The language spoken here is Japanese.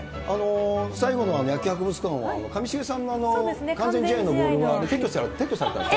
最後の野球博物館は、上重さんの完全試合のボール撤去されたんですか？